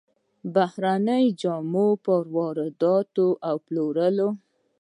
بهرنيو جامو پر واردولو او پلورلو